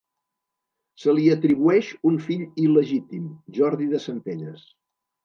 Se li atribueix un fill il·legítim, Jordi de Centelles.